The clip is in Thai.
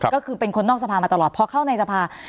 ก็คือเป็นคนนอกสภามาตลอดพอเข้าในสภา